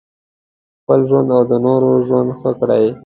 خپل ژوند او د نورو ژوند ښه کړي.